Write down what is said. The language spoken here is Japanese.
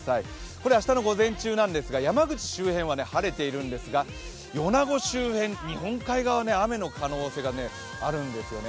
これ明日の午前中なんですが、山口周辺は晴れているんですが、米子周辺、日本海側、雨の可能性があるんですよね。